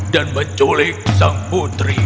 dan menculik sang putri